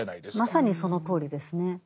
まさにそのとおりですね。